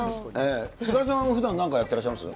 菅原さんはふだん何かやってらっしゃいます？